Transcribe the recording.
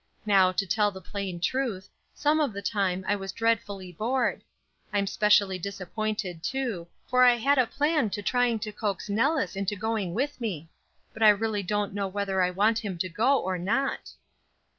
Now, to tell the plain truth, some of the time I was dreadfully bored. I'm specially disappointed, too, for I had a plan to trying to coax Nellis into going with me, but I really don't know whether I want him to go or not."